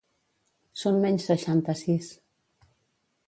Són menys seixanta-sis